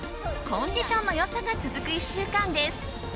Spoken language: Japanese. コンディションの良さが続く１週間です。